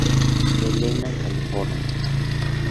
Helena, California.